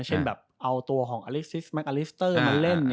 เช่นแบบเอาตัวของอลิซิสแกลิสเตอร์มาเล่น